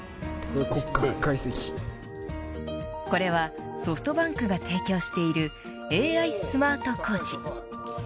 これはソフトバンクが提供しているＡＩスマートコーチ。